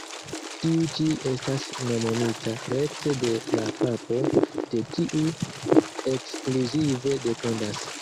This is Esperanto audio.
Tiu ĉi estas nomumita rekte de la Papo, de kiu ekskluzive dependas.